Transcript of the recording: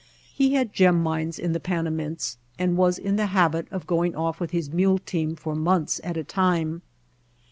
He had gem mines in the Panamints and was in the habit of going oflf with his mule team for months at a time.